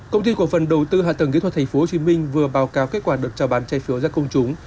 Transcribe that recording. công ty cổ phần đầu tư hạ tầng kỹ thuật tp hcm vừa báo cáo kết quả được trào bán trái phiếu ra công chúng